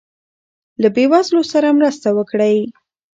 له بې وزلو سره مرسته وکړئ.